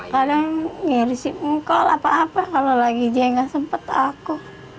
kadang ngirisip ngkol apa apa kalau lagi dia nggak sempet aku